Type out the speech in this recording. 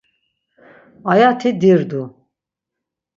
Aya-ti dirdu.